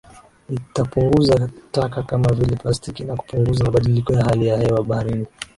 Itapunguza taka kama vile plastiki na kupunguza mabadiliko ya hali ya hewa baharini